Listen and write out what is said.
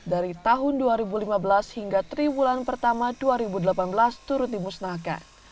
dari tahun dua ribu lima belas hingga triwulan pertama dua ribu delapan belas turut dimusnahkan